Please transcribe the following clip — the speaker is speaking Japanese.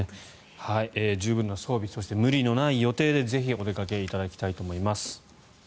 十分な装備そして無理のない予定でぜひお出かけいただきたいと思います。